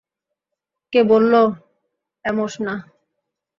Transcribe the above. কে বলল অ্যামোস না?